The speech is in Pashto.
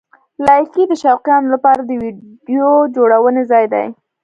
لایکي د شوقیانو لپاره د ویډیو جوړونې ځای دی.